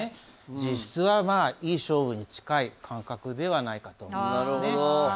実質はいい勝負に近い感覚ではないかと思いますね。